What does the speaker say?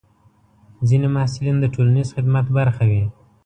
ځینې محصلین د ټولنیز خدمت برخه وي.